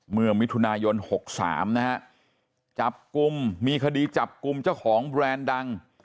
เมื่อมิถุนายน๖๓นะฮะมีคดีจับกุมเจ้าของแบรนด์ดัง